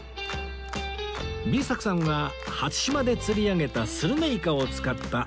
Ｂ 作さんは初島で釣り上げたスルメイカを使ったイカ丼